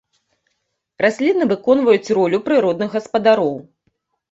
Расліны выконваюць ролю прыродных гаспадароў.